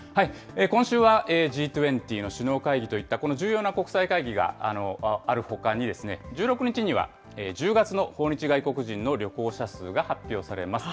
今週はＧ２０の首脳会議といった重要な国際会議があるほかに、１６日には１０月の訪日外国人の旅行者数が発表されます。